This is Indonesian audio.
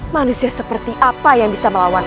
manusia seperti apa yang bisa melawan